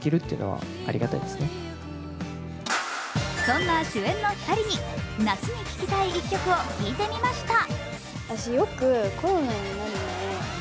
そんな主演の２人に夏に聴きたい一曲を聞いてみました。